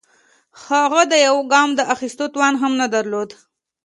هغې د يوه ګام د اخيستو توان هم نه درلوده.